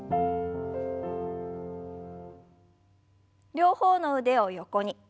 両方の腕を横に。